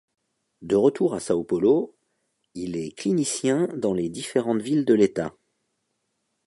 De retour à São Paulo il est clinicien dans les différentes villes de l'État.